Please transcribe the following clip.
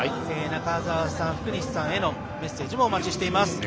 中澤さん、福西さんへのメッセージをお待ちしています。